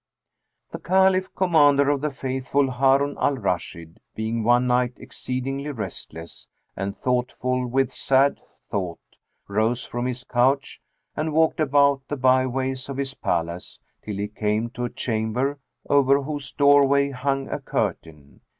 The Caliph, Commander of the Faithful, Harun al Rashid, being one night exceedingly restless and thoughtful with sad thought, rose from his couch and walked about the by ways of his palace, till he came to a chamber, over whose doorway hung a curtain.